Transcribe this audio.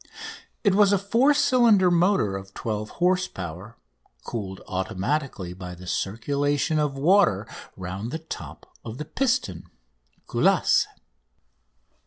It was a four cylinder motor of 12 horse power, cooled automatically by the circulation of water round the top of the piston (culasse).